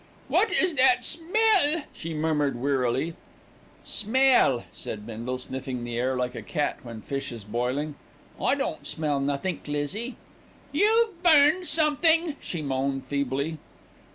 "What is that smell?" she murmured wearily. "Smell," said Bindle, sniffing the air like a cat when fish is boiling. "I don't smell nothink, Lizzie." "You've burned something," she moaned feebly.